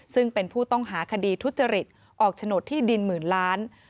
ซึ่งเป็นผู้ต้องหาคดีทุจริตออกโฉนดที่ดินหมื่นล้าน